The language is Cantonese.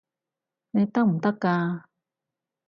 你得唔得㗎？